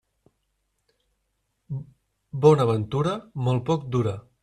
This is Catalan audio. Bona ventura molt poc dura.